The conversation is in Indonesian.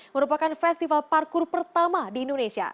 merupakan festival parkur pertama di indonesia